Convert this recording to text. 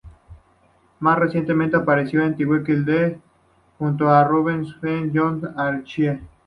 Más recientemente apareció en "The Last Weekend", junto a Rupert Penry-Jones, como Archie.